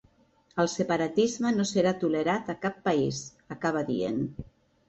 El separatisme no serà tolerat a cap país, acabava dient.